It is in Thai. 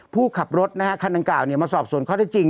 ผู้ขับรถนะครับคันตั้งเก่ามาสอบส่วนข้อได้จริง